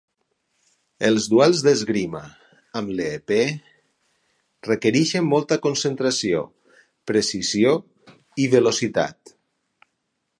Els duels d'esgrima amb l'épée requereixen molta concentració, precisió i velocitat.